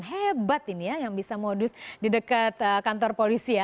hebat ini ya yang bisa modus di dekat kantor polisi ya